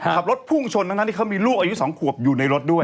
ขับรถพุ่งชนทั้งที่เขามีลูกอายุ๒ขวบอยู่ในรถด้วย